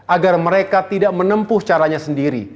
agar mereka tidak menempuh caranya sendiri